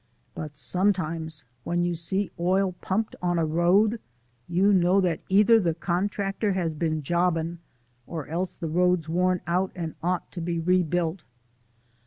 But sometimes when you see oil pumped on a road, you know that either the contractor has been jobbin', or else the road's worn out and ought to be rebuilt."